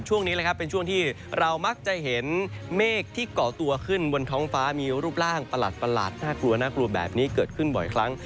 ช่วงนี้นะครับเป็นช่วงที่เรามักจะเห็นเมฆที่เกาะตัวขึ้นบนท้องฟ้ามีรูปร่างประหลาดน่ากลัวน่ากลัวแบบนี้เกิดขึ้นบ่อยครั้ง